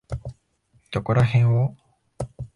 どこらへんを？